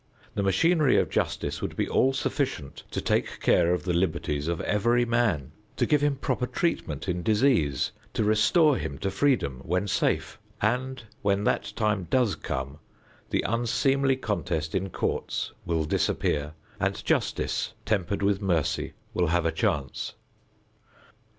The machinery of justice would be all sufficient to take care of the liberties of every man, to give him proper treatment in disease, to restore him to freedom when safe, and, when that time does come, the unseemly contest in courts will disappear, and justice, tempered with mercy, will have a chance.